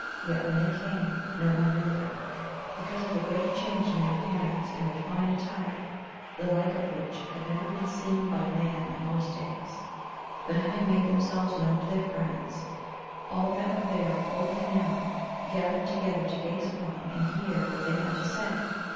Yet when they came no one knew them, because of the great change in their appearance and their fine attire, the like of which had never been seen by man in those days. But having made themselves known to their friends, all that were there of old and young gathered together to gaze upon and hear what they had to say.